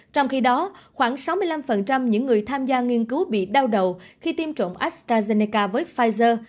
trong khi đó khoảng sáu mươi năm những người tham gia nghiên cứu bị đau đầu khi tiêm trộm astrazeneca với pfizer